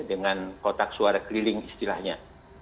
dengan kotak suara keliling istilahnya